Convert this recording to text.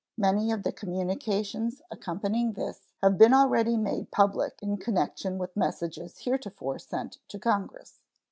Many of the communications accompanying this have been already made public in connection with messages heretofore sent to Congress.